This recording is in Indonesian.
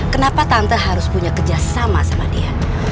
kenapa tante harus punya kerjasama sama dia